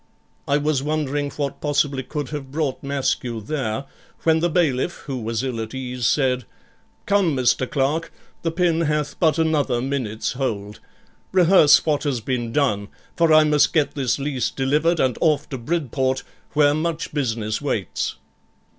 I was wondering what possibly could have brought Maskew there, when the bailiff, who was ill at ease, said 'Come, Mr. Clerk, the pin hath but another minute's hold; rehearse what has been done, for I must get this lease delivered and off to Bridport, where much business waits.'